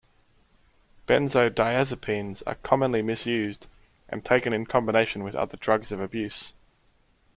Benzodiazepines are commonly misused and taken in combination with other drugs of abuse.